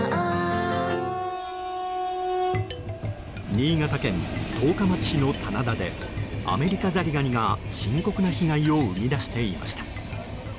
新潟県十日町市の棚田でアメリカザリガニが深刻な被害を生み出していました。